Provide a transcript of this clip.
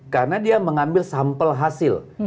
karena dia mengambil sampel hasil